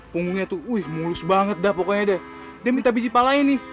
punggungnya tuh mulus banget dah pokoknya deh dia minta biji palanya nih